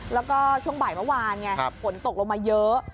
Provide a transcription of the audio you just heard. แล้วก็ช่วงบ่ายเมื่อวานไงฝนตกลงมาเยอะ